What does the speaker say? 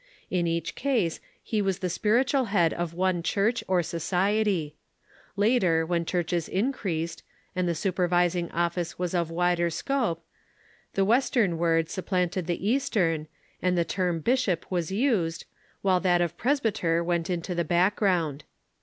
In each case he was the spiritual head of one church or society. Later, when churches increased, and the supervising office was of wider scope, the Western word supplanted the Eastern, and the term bishop was used, while that of presbyter went into the back ground.